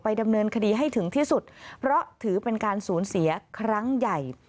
ดำเนินคดีให้ถึงที่สุดเพราะถือเป็นการสูญเสียครั้งใหญ่